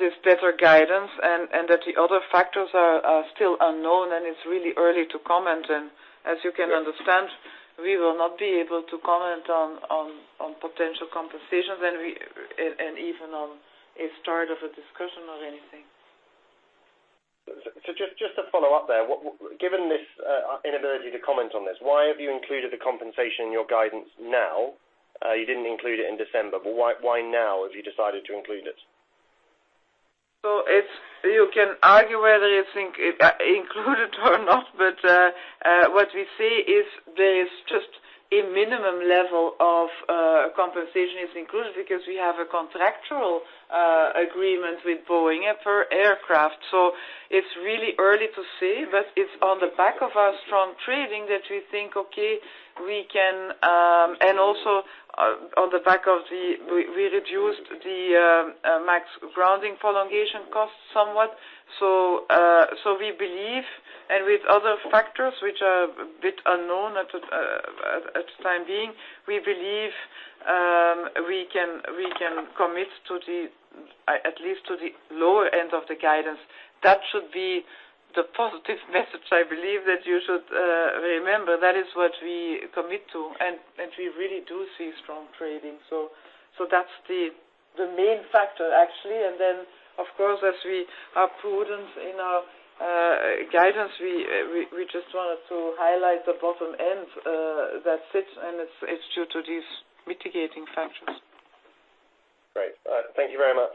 this better guidance and that the other factors are still unknown, and it's really early to comment. As you can understand, we will not be able to comment on potential conversations and even on a start of a discussion of anything. Just to follow up there, given this inability to comment on this, why have you included the compensation in your guidance now? You didn't include it in December, why now have you decided to include it? You can argue whether you think it included or not, but what we see is there is just a minimum level of compensation is included because we have a contractual agreement with Boeing for aircraft. It's really early to say, but it's on the back of our strong trading that we think, okay, And also on the back of the, we reduced the MAX grounding prolongation cost somewhat. We believe, and with other factors which are a bit unknown at time being, we believe we can commit to at least to the lower end of the guidance. That should be the positive message I believe that you should remember. That is what we commit to, and we really do see strong trading. That's the main factor, actually. Of course, as we are prudent in our guidance, we just wanted to highlight the bottom end that fits, and it's due to these mitigating factors. Great. All right. Thank you very much.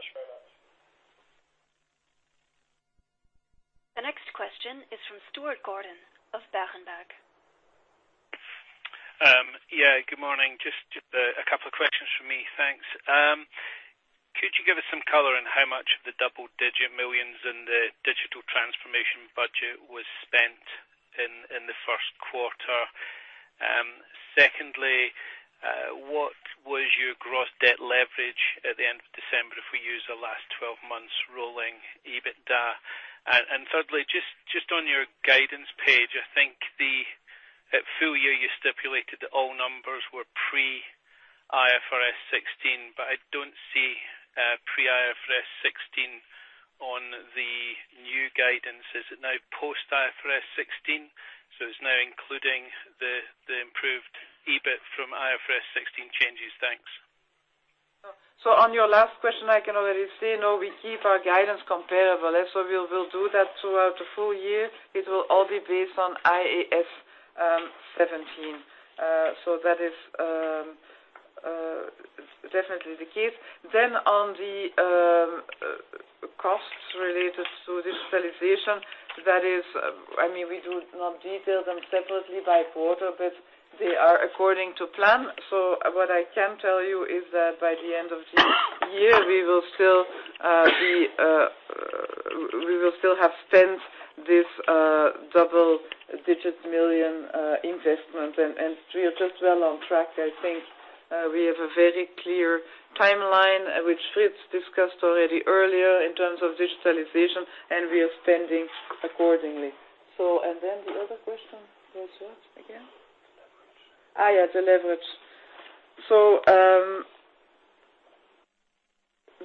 The next question is from Stuart Gordon of Berenberg. Yeah, good morning. Just a couple of questions from me. Thanks. Could you give us some color on how much of the double-digit millions in the digital transformation budget was spent in the first quarter? Secondly, what was your gross debt leverage at the end of December if we use the last 12 months rolling EBITDA? Thirdly, just on your guidance page, I think at full year you stipulated that all numbers were pre IFRS 16, but I don't see pre IFRS 16 on the new guidance. Is it now post IFRS 16, so it's now including the improved EBIT from IFRS 16 changes? Thanks. On your last question, I can already say no. We keep our guidance comparable. We'll do that throughout the full year. It will all be based on IAS 17. That is definitely the case. Then on the costs related to digitalization, we do not detail them separately by quarter, but they are according to plan. What I can tell you is that by the end of this year, we will still have spent this double-digit million investment, and we are just well on track. I think we have a very clear timeline, which Fritz discussed already earlier in terms of digitalization, and we are spending accordingly. Then the other question was what again? Leverage. Yes. The leverage.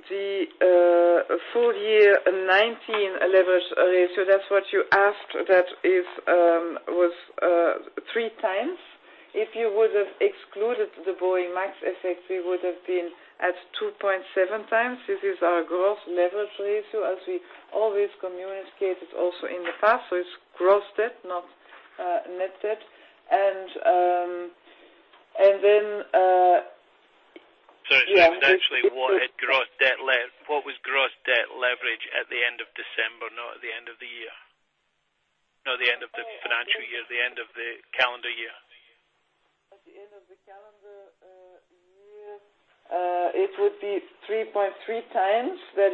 The full year 2019 leverage ratio, that's what you asked, that was 3x. If you would have excluded the Boeing MAX effect, we would have been at 2.7x. This is our gross leverage ratio, as we always communicated also in the past. It's gross debt, not net debt. Sorry. It's actually what was gross debt leverage at the end of December, not at the end of the year? Not the end of the financial year, the end of the calendar year. At the end of the calendar year, it would be 3.3x. That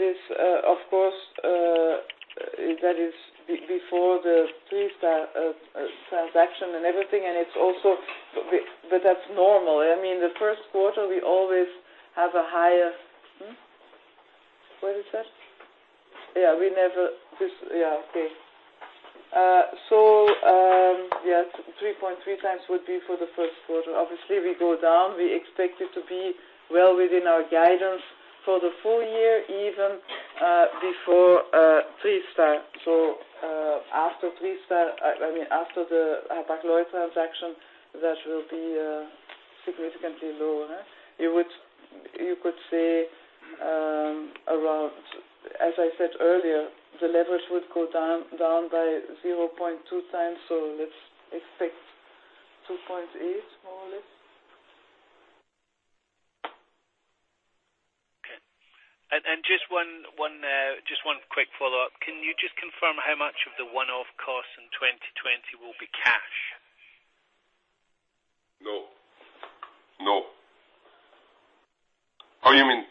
is, of course, before the Twist transaction and everything. That's normal. The first quarter, we always have a higher. What is that? Yeah, we never. Okay. Yeah, 3.3x would be for the first quarter. Obviously, we go down. We expect it to be well within our guidance for the full year, even before Twist. After the Hapag-Lloyd transaction, that will be significantly lower. You could say around, as I said earlier, the leverage would go down by 0.2x. Let's expect 2.8 more or less. Okay. Just one quick follow-up. Can you just confirm how much of the one-off costs in 2020 will be cash? No. How you mean?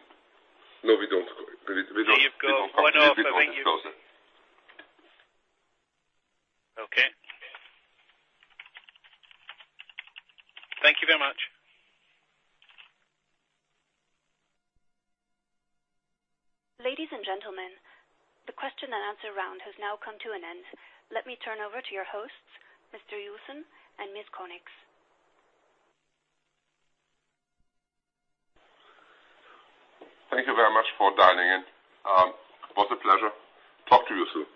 No, we don't. Of course. One-off, thank you. We don't comment on one-offs. Okay. Thank you very much. Ladies and gentlemen, the question and answer round has now come to an end. Let me turn over to your hosts, Mr. Joussen and Ms. Conix. Thank you very much for dialing in. It was a pleasure. Talk to you soon.